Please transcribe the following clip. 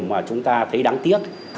mà chúng ta thấy đáng tiếc